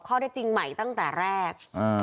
ได้จริงใหม่ตั้งแต่แรก